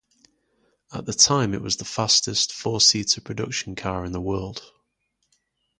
At the time, it was the fastest four-seater production car in the world.